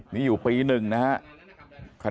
นี่อยู่ปี๑นะครับ